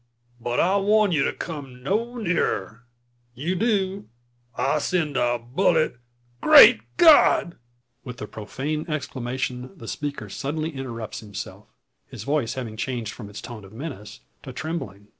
But I warn you to come no nearer. If you do, I'll send a bullet Great God!" With the profane exclamation, the speaker suddenly interrupts himself, his voice having changed from its tone of menace to trembling.